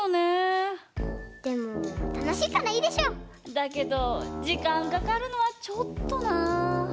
だけどじかんかかるのはちょっとなぁ。